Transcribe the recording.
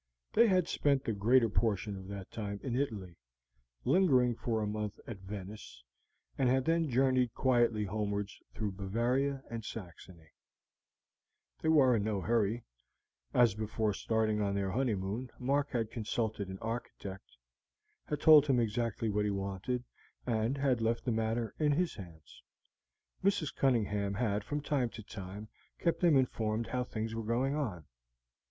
They had spent the greater portion of that time in Italy, lingering for a month at Venice, and had then journeyed quietly homewards through Bavaria and Saxony; They were in no hurry, as before starting on their honeymoon Mark had consulted an architect, had told him exactly what he wanted, and had left the matter in his hands. Mrs. Cunningham had from time to time kept them informed how things were going on.